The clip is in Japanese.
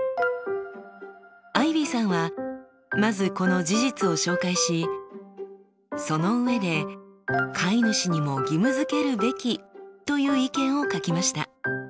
アイビーさんはまずこの事実を紹介しその上で飼い主にも義務付けるべきという意見を書きました。